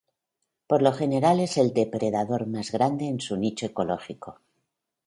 Por lo general es el depredador más grande en su nicho ecológico.